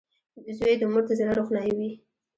• زوی د مور د زړۀ روښنایي وي.